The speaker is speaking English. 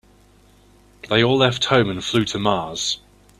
They all left home and flew to Mars.